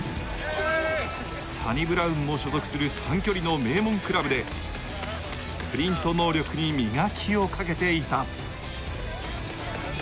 サニブラウンも所属する短距離の名門クラブでスプリント能力に磨きをかけていた。